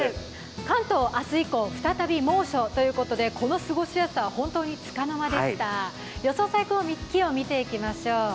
関東明日以降再び猛暑ということで、この過ごしやすさは本当につかの間でした、予想最高気温を見ていきましょう。